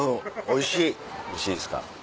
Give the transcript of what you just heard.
おいしいですか。